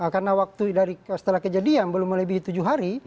karena waktu setelah kejadian belum lebih tujuh hari